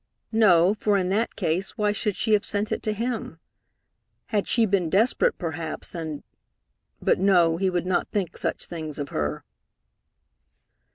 No, for in that case, why should she have sent it to him? Had she been desperate perhaps, and ? But no, he would not think such things of her.